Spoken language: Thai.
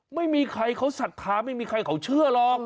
ไม่มีใครเขาศรัทธาไม่มีใครเขาเชื่อหรอก